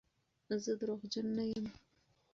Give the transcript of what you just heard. زه درواغجن نه یم.